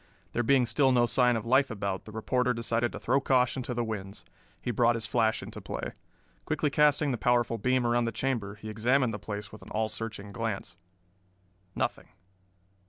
There being still no sign of life about, the reporter decided to throw caution to the winds. He brought his flash into play. Quickly casting the powerful beam around the chamber he examined the place with an all searching glance. Nothing.